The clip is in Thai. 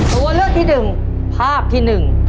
ตัวเลือกที่๑ภาพที่๑